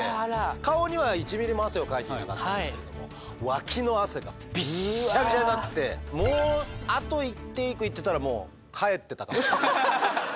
顔には１ミリも汗をかいていなかったんですけれどもワキの汗がビッシャビシャになってもうあと１テイクいってたら帰ってたと思います。